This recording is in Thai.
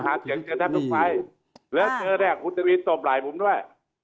แล้วเจอเนี่ยคุณทวีร์ตบหลายผมด้วย